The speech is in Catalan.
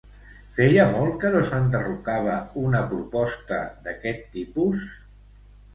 Feia molt que no s'enderrocava una proposta d'aquest tipus?